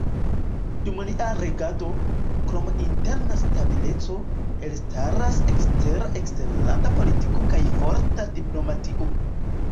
Dum lia regado, krom interna stabileco, elstaras ekstera eksterlanda politiko kaj forta diplomatio.